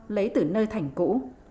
lấy từ nơi thành cũ